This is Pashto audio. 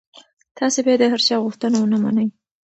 تاسي باید د هر چا غوښتنه ونه منئ.